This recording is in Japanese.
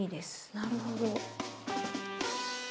なるほど。